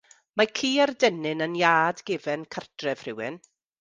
Mae ci ar dennyn yn iard gefn cartref rhywun.